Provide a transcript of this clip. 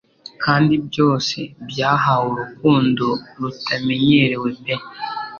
Kandi byose byahawe urukundo rutamenyerewe pe